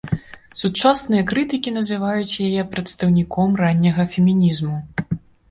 Сучасныя крытыкі называюць яе прадстаўніком ранняга фемінізму.